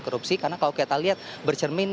korupsi karena kalau kita lihat bercermin